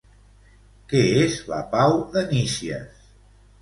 Què és la pau de Nícies?